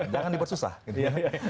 jangan dibersusah gitu ya